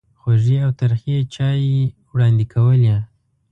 خوږې او ترخې چایوې وړاندې کولې.